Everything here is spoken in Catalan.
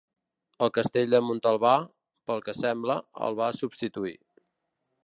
El Castell de Montalbà, pel que sembla, el va substituir.